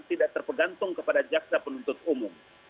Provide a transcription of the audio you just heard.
tidak terpegantung kepada jaksa penuntut umum